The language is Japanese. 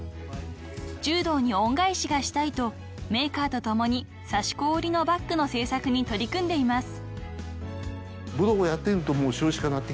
［柔道に恩返しがしたいとメーカーと共に刺し子織りのバッグの製作に取り組んでいます］